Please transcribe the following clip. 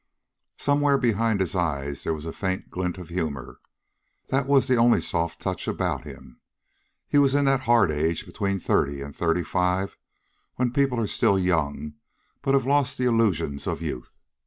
Somewhere behind his eyes there was a faint glint of humor. That was the only soft touch about him. He was in that hard age between thirty and thirty five when people are still young, but have lost the illusions of youth.